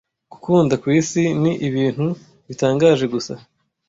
gukunda kwisi ni ibintu bitangaje gusa